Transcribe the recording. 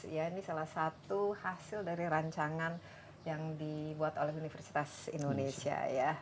ya ini salah satu hasil dari rancangan yang dibuat oleh universitas indonesia ya